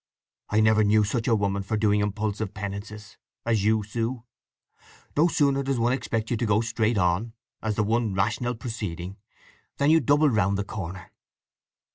"I never knew such a woman for doing impulsive penances, as you, Sue! No sooner does one expect you to go straight on, as the one rational proceeding, than you double round the corner!"